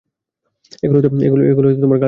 এগুলো হয়তো তোমার গার্লফ্রেন্ডের?